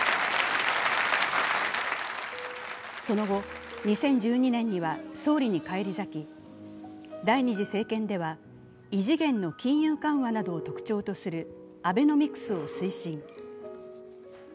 その後、２０１２年には総理に返り咲き第２次政権では異次元の金融緩和などを特徴とするアベノミクスを推進。